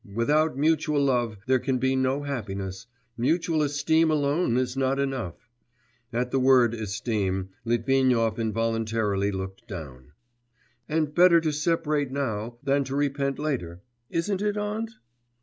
Without mutual love there can be no happiness, mutual esteem alone is not enough' (at the word 'esteem' Litvinov involuntarily looked down) 'and better to separate now, than to repent later. Isn't it, aunt?